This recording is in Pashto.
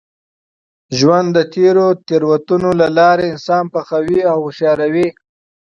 ژوند د تېرو تېروتنو له لاري انسان پخوي او هوښیاروي.